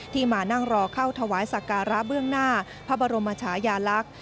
มานั่งรอเข้าถวายสักการะเบื้องหน้าพระบรมชายาลักษณ์